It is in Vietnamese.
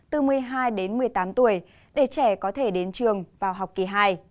từ một mươi hai đến một mươi tám tuổi để trẻ có thể đến trường vào học kỳ hai